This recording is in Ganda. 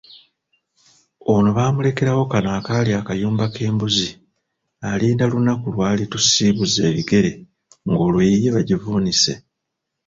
Ono baamulekerawo kano akaali akayumba k'embuzi alinda lunaku lw'alitusiibuza ebigere ng'olwo eyiye bagivuunise.